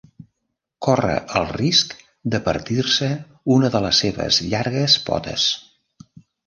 Corre el risc de partir-se una de les seves llargues potes.